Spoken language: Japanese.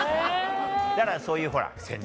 だからそういうほら戦略